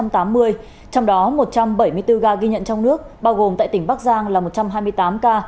trong đó một trăm bảy mươi bốn ca ghi nhận trong nước bao gồm tại tỉnh bắc giang là một trăm hai mươi tám ca